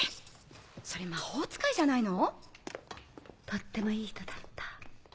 それ魔法使いじゃないの⁉とってもいい人だった。